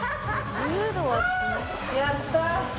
やった！